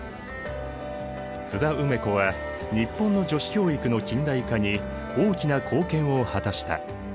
津田梅子は日本の女子教育の近代化に大きな貢献を果たした。